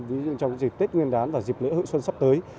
ví dụ trong dịp tết nguyên đán và dịp lễ hội xuân sắp tới